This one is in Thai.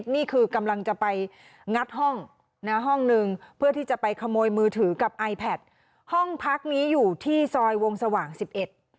นี่คือกำลังจะไปงัดห้องนะห้องหนึ่งเพื่อที่จะไปขโมยมือถือกับไอแพทห้องพักนี้อยู่ที่ซอยวงสว่างสิบเอ็ด